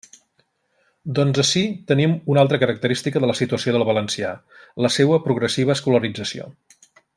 Doncs ací tenim una altra característica de la situació del valencià: la seua progressiva escolarització.